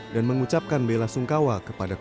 dan mengucapkan bela sungkawa kepada kota